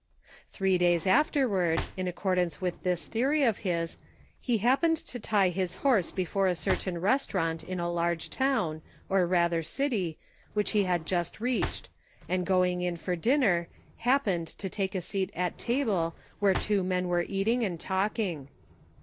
Three days afterward, in accordance with this theory of his, he happened to tie his horse before a certain restaurant in a large town, or rather city, which he had just reached, and going in for dinner, " happened " to take a seat at table where two men were eating and talking.